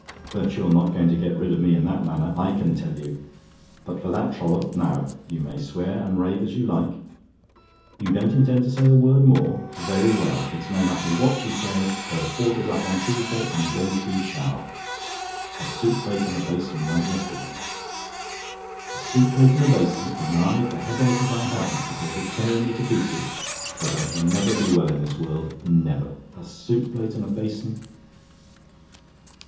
"But you're not going to get rid of me in that manner, I can tell you. But for that trollop now, you may swear and rave as you like "YOU DON'T INTEND TO SAY A WORD MORE? "Very well; it's no matter what you say her quarter's up on Tuesday, and go she shall. A soup plate and a basin went yesterday. "A soup plate and a basin, and when I've the headache as I have, Mr. Caudle, tearing me to pieces! But I shall never be well in this world never. A soup plate and a basin!"